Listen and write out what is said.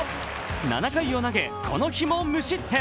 ７回を投げ、この日も無失点。